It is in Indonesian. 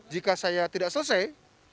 jika saya tidak selesai